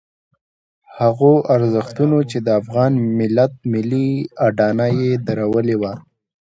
هغو ارزښتونو چې د افغان ملت ملي اډانه درولې وه.